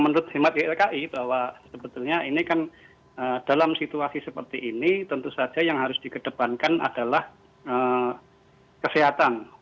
menurut himat ylki bahwa sebetulnya ini kan dalam situasi seperti ini tentu saja yang harus dikedepankan adalah kesehatan